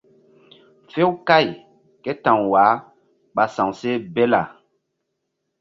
Few kày ké ta̧w wah ɓa sa̧wseh bela.